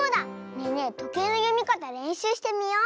ねえねえとけいのよみかたれんしゅうしてみよう！